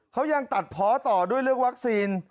เขายังตัดเพาะต่อด้วยเรื่องวัคซีน